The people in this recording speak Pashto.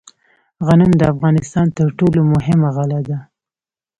غنم د افغانستان تر ټولو مهمه غله ده.